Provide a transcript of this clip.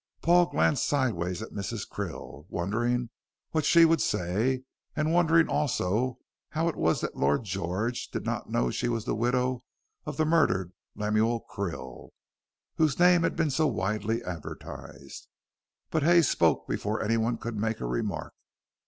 Paul glanced sideways at Mrs. Krill, wondering what she would say, and wondering also how it was that Lord George did not know she was the widow of the murdered Lemuel Krill, whose name had been so widely advertised. But Hay spoke before anyone could make a remark.